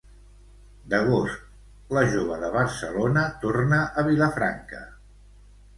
D'agost, la Jove de Barcelona torna a Vilafranca.